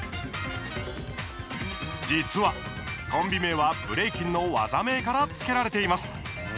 実は、コンビ名はブレイキンの技名から付けられています。